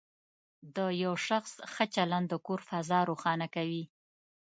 د یو شخص ښه چلند د کور فضا روښانه کوي.